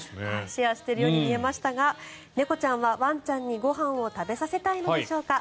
シェアしているように見えましたが猫ちゃんはワンちゃんにご飯を食べさせたいのでしょうか。